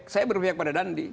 saya berpihak pada dandi